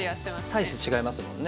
サイズ違いますもんね。